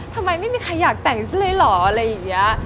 ทำไมไม่มีใครอยากแต่งเสียเลยหรอ